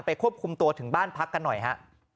ควบคุมตัวถึงบ้านพักกันหน่อยฮะ